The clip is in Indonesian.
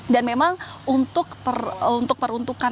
memang untuk peruntukan